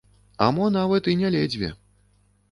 А мо нават і не ледзьве.